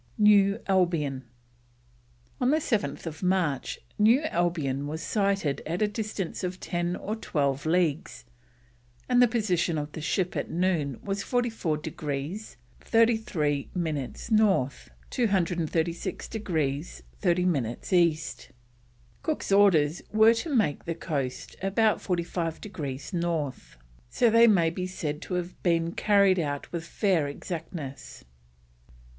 NEW ALBION. On 7th March, New Albion was sighted at a distance of ten or twelve leagues, and the position of the ship at noon was 44 degrees 33 minutes North, 236 degrees 30 minutes East; Cook's orders were to make the coast "about 45 degrees North," so they may be said to have been carried out with fair exactness.